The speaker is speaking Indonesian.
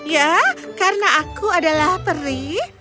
ya karena aku adalah peri